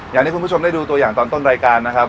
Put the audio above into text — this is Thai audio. อย่างที่คุณผู้ชมได้ดูตัวอย่างตอนต้นรายการนะครับ